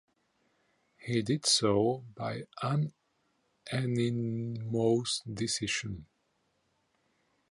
He did so by unanimous decision.